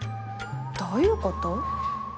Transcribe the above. どういうこと？